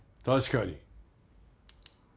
確かに。